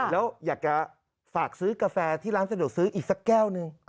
แล้วอยากจะฝากซื้อกาแฟที่ร้านสะดวกซื้ออีกสักแก้วหนึ่ง